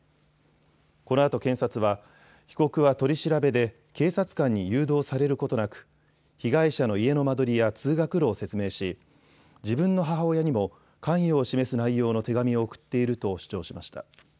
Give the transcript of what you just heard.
このあと検察は被告は取り調べで警察官に誘導されることなく被害者の家の間取りや通学路を説明し自分の母親にも関与を示す内容の手紙を送っていると主張しました。